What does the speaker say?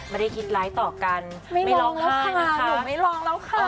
ไม่ได้คิดไลค์ต่อกันไม่ร้องไห้นะคะหนูไม่ร้องแล้วค่ะ